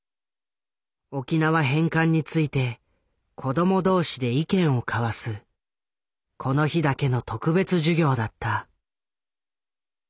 沖縄返還について子ども同士で意見を交わすこの日だけの特別授業だった。